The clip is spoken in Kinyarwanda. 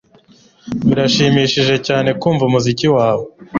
Birashimishije cyane kumva umuziki wawe.